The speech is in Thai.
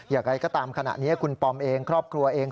อย่างไรก็ตามขณะนี้คุณปอมเองครอบครัวเอง